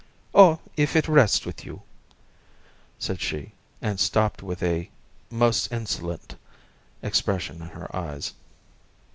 "Oh, if it rests with you " said she, and stopped with a most insolent expression in her eyes.